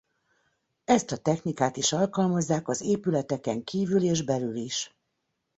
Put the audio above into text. Ezt a technikát is alkalmazzák az épületeken kívül és belül is.